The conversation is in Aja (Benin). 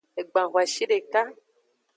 Egban hoashideka.